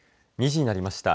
２時になりました。